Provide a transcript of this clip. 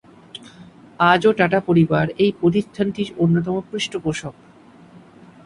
আজও টাটা পরিবার এই প্রতিষ্ঠানটির অন্যতম পৃষ্ঠপোষক।